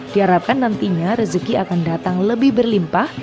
diharapkan nantinya rezeki akan datang lebih berlimpah